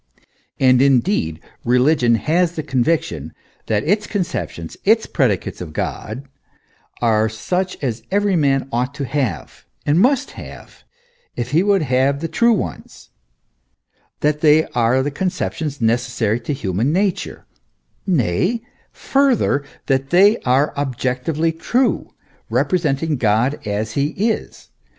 And, indeed, religion has the conviction that its conceptions, its predicates of God, are such as every man ought to have, and must have, if he would have the true ones that they are the conceptions necessary to human nature ; nay, further, that they are objectively true, repre senting God as he is.